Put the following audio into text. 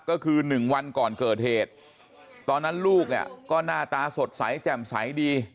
ก็คือ๑วันก่อนเกิดเหตุตอนนั้นลูกเนี่ยก็หน้าตาสดใสแจ่มใสดี